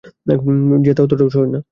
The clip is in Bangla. জেতা ততটাও সহজ না।